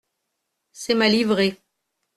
C’est ma livrée.